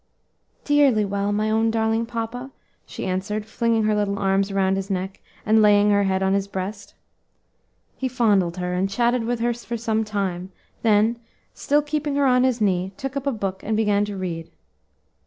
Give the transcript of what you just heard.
"Dearly well, my own darling papa," she answered, flinging her little arms around his neck, and laying her head on his breast. He fondled her, and chatted with her for some time, then, still keeping her on his knee, took up a book and began to read.